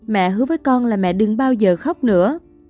mẹ hứa với con là mẹ đừng bao giờ khóc nữa